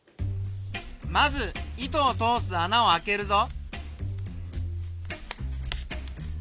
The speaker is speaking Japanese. まず糸を通すあなをあけるぞ。